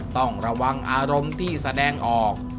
ต้องระวังอารมณ์ที่แสดงออก